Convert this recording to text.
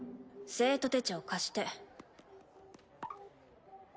生徒手帳貸して。